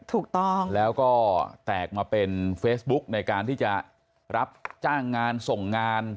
ถูกต้องแล้วก็แตกมาเป็นเฟซบุ๊กในการที่จะรับจ้างงานส่งงาน